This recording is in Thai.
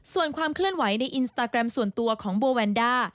ส่วนความเคลื่อนไหวในอินสตาแกรมส่วนตัวของโบแวนด้า